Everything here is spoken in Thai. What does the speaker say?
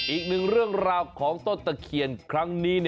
อีกหนึ่งเรื่องราวของต้นตะเคียนครั้งนี้